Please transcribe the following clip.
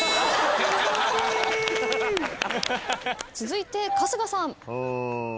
続いて春日さん。